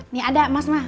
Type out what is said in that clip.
nih ada mas nah